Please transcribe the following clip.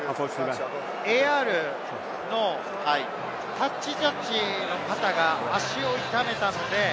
タッチジャッジの方が足を痛めたので。